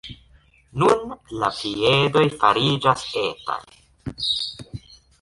Nun la piedoj fariĝas etaj.